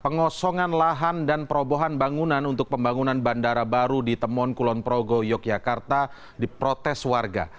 pengosongan lahan dan perobohan bangunan untuk pembangunan bandara baru di temon kulon progo yogyakarta diprotes warga